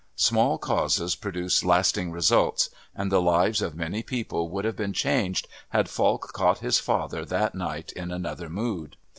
Small causes produce lasting results, and the lives of many people would have been changed had Falk caught his father that night in another mood.